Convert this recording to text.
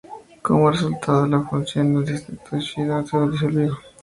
Como resultado de la fusión, el Distrito de Shida se disolvió.